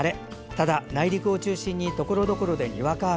ただ、内陸を中心にところどころでにわか雨。